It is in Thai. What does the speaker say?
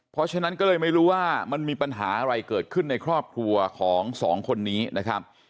เพราะฉะนั้นก็เลยไม่รู้ว่ามันมีปัญหาอะไรเกิดขึ้นในครอบครัวของสองคนนี้นะครับ